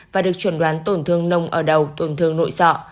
và được chuẩn đoán tổn thương nông ở đầu tổn thương nội sọ